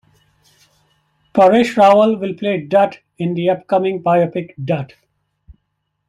Paresh Rawal will play Dutt in upcoming biopic "Dutt"